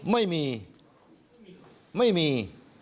ไม่มีไม่มี